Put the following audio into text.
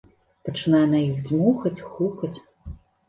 Пачынае на іх дзьмухаць, хукаць.